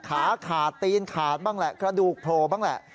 ขาขาดตีนขาดบ้างแหละ